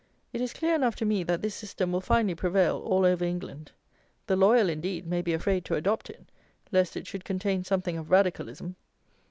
It is clear enough to me that this system will finally prevail all over England. The "loyal," indeed, may be afraid to adopt it, lest it should contain something of "radicalism."